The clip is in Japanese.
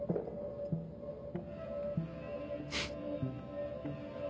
フッ。